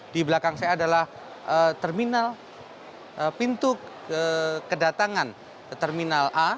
di belakang saya adalah terminal pintu kedatangan terminal a